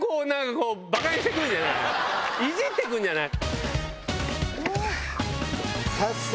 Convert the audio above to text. いじってくるじゃない。